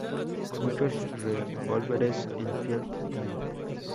Muchos revólveres Enfield No.